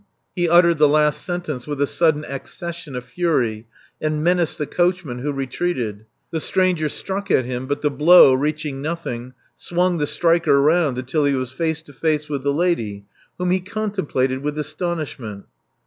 He uttered the last sentence with a sudden accession of fury, and menaced the coachman, who retreated. The stranger struck at him, but the blow, reaching nothing, swung the striker round until he was face to face with the lady, whom he contemplated with astonishment.